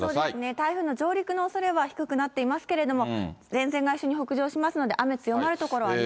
台風の上陸のおそれは低くなっていますけれども、前線が一緒に北上しますので、雨強まる所がありそうです。